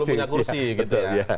belum punya kursi gitu ya